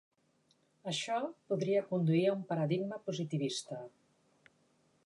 Això podria conduir a un paradigma positivista.